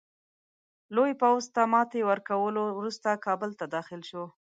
لوی پوځ ته ماتي ورکولو وروسته کابل ته داخل شو.